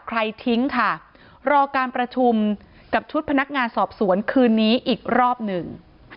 ทิ้งค่ะรอการประชุมกับชุดพนักงานสอบสวนคืนนี้อีกรอบหนึ่ง